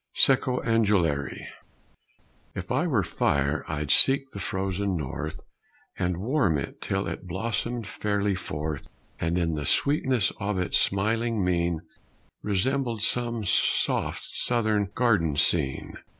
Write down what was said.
Cecco Angolieri. If I were fire I'd seek the frozen North And warm it till it blossomed fairly forth And in the sweetness of its smiling mien Resembled some soft southern garden scene.